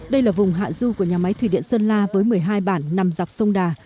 đây là vùng hạ du của nhà máy thủy điện sơn la với một mươi hai bản nằm dọc sông đà